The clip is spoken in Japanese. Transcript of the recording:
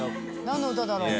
何の歌だろう？）